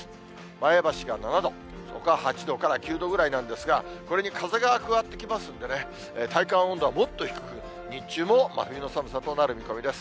前橋が７度、ほかは８度から９度ぐらいなんですが、これに風が加わってきますんでね、体感温度はもっと低く、日中も真冬の寒さとなる見込みです。